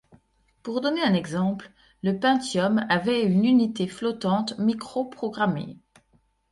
Pour donner un exemple, le Pentium avait une unité flottante microprogrammée.